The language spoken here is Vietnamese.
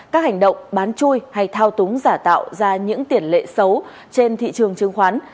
các hành động bán chui hay thao túng giả tạo ra những tiền lệ xấu trên thị trường chứng khoán